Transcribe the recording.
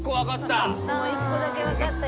１個だけ分かったよ。